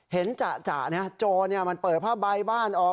เห็นจ่ะจรมันเปิดผ้าใบบ้านออก